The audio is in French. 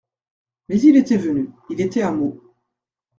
Mais il était venu, il était à Meaux.